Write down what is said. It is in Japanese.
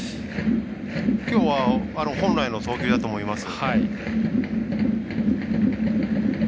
きょうは本来の投球だと思います。